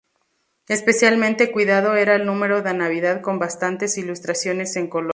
Especialmente cuidado era el número de navidad con bastantes ilustraciones en color.